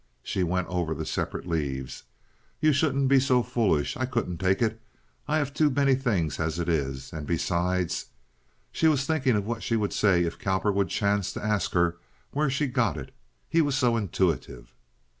She went over the separate leaves. "You shouldn't be so foolish. I couldn't take it. I have too many things as it is, and besides—" She was thinking of what she would say if Cowperwood chanced to ask her where she got it. He was so intuitive.